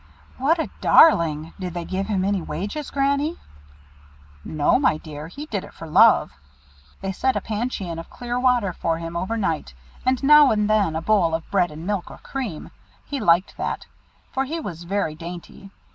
"What a darling! Did they give him any wages, Granny?" "No! my dear. He did it for love. They set a pancheon of clear water for him over night, and now and then a bowl of bread and milk, or cream. He liked that, for he was very dainty.